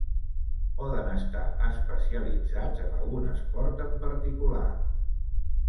Poden estar especialitzats en algun esport en particular.